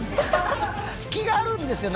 隙があるんですよ